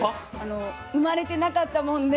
生まれてなかったもんで。